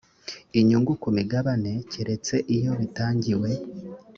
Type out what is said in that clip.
inyungu ku migabane keretse iyo bitangiwe